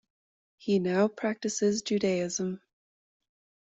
He now practices Judaism.